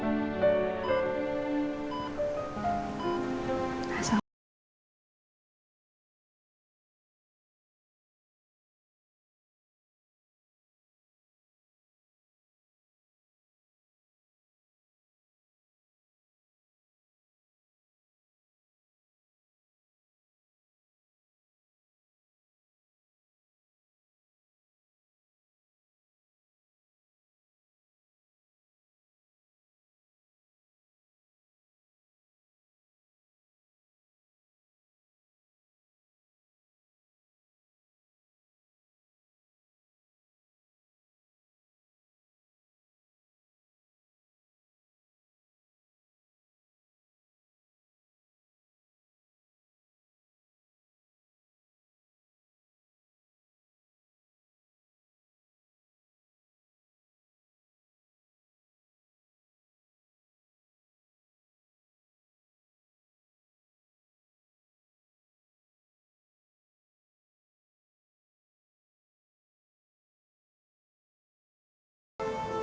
pak aku mau masuk dulu ya